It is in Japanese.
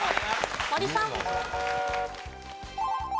森さん。